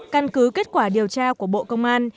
căn cứ kết quả điều tra của bộ công an